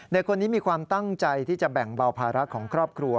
เด็กคนนี้มีความตั้งใจที่จะแบ่งเบาภาระของครอบครัว